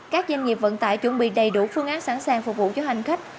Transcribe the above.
các doanh nghiệp vận tải chuẩn bị đầy đủ phương án sẵn sàng phục vụ cho hành khách